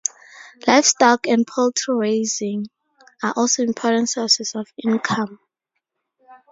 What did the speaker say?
Livestock and poultry raising are also important sources of income.